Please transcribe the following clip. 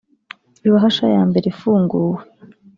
Ibahasha ya mbere ifunguwe